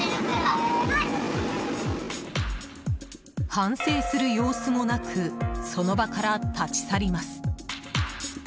反省する様子もなくその場から立ち去ります。